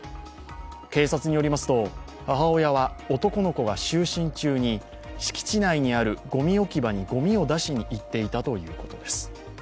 警察によりますと、母親は男の子が就寝中に敷地内にあるごみ置き場にごみを出しに行っていたということです。